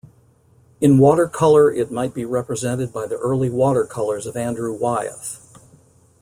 In watercolor it might be represented by the early watercolors of Andrew Wyeth.